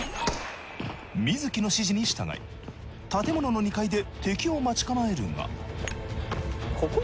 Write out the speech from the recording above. ｍｉｚｕｋｉの指示に従い建物の２階で敵を待ち構えるが。